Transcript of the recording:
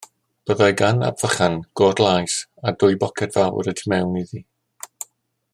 Byddai gan Ap Vychan got laes a dwy boced fawr y tu mewn iddi.